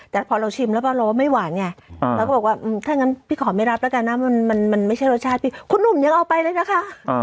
แต่พอเราชิมแล้วก็เราว่าไม่หวานไงเราก็บอกว่าถ้างั้นพี่ขอไม่รับแล้วกันนะมันไม่ใช่รสชาติพี่คุณหนุ่มยังเอาไปเลยนะคะ